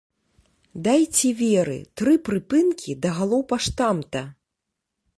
Дайце веры, тры прыпынкі да галоўпаштамта!